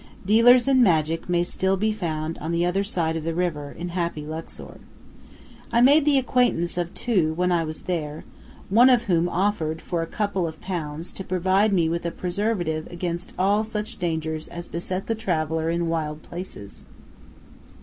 Dealers in magic may still be found on the other side of the river, in happy Luxor. I made the acquaintance of two when I was there, one of whom offered for a couple of pounds to provide me with a preservative against all such dangers as beset the traveller in wild places.